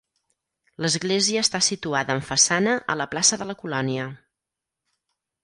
L'església està situada amb façana a la plaça de la colònia.